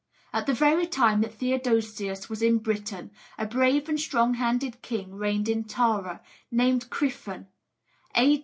At the very time that Theodosius was in Britain, a brave and strong handed king reigned in Tara, named Criffan (A.